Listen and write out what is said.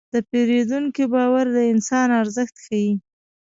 د پیرودونکي باور د انسان ارزښت ښيي.